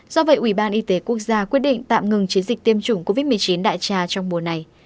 do vậy ủy ban y tế quốc gia quyết định tạm ngừng chiến dịch tiêm chủng covid một mươi chín đại trà trong mùa này